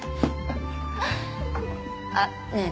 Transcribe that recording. あっねえ